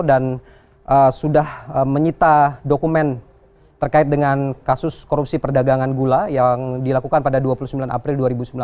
dan sudah menyita dokumen terkait dengan kasus korupsi perdagangan gula yang dilakukan pada dua puluh sembilan april dua ribu sembilan belas